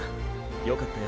よかったよ